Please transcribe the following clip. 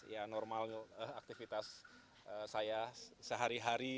ya normalnya aktivitas saya sehari hari